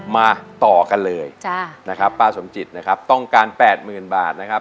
มาต่อกันเลยนะครับป้าสมจิตนะครับต้องการ๘๐๐๐บาทนะครับ